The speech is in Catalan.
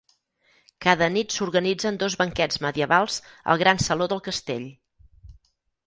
Cada nit s'organitzen dos banquets medievals al gran saló del castell.